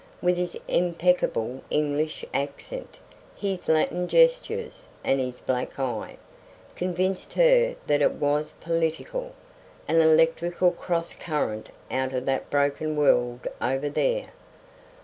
with his impeccable English accent, his Latin gestures, and his black eye, convinced her that it was political; an electrical cross current out of that broken world over there.